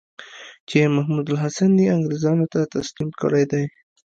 چې محمودالحسن یې انګرېزانو ته تسلیم کړی دی.